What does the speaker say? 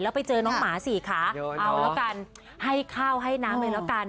แล้วไปเจอน้องหมาสี่ขาเอาแล้วกันให้ข้าวให้น้ำเลยแล้วกัน